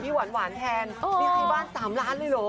นี่คือบ้าน๓ล้านเลยหรอ